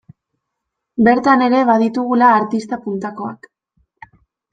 Bertan ere baditugula artista puntakoak.